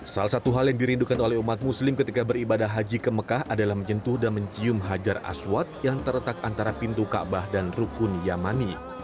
salah satu hal yang dirindukan oleh umat muslim ketika beribadah haji ke mekah adalah menyentuh dan mencium hajar aswad yang terletak antara pintu kaabah dan rukun yamani